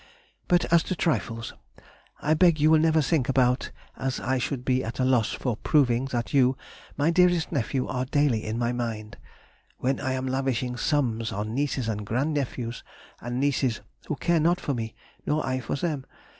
But as to trifles, I beg you will never think about, as I should be at a loss for proving that you, my dearest nephew, are daily in my mind, when I am lavishing sums on nieces and grand nephews, and nieces who care not for me, nor I for them.